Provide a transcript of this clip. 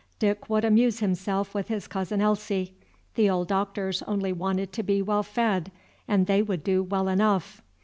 Dick would amuse himself with his cousin Elsie. The old Doctors only wanted to be well fed and they would do well enough.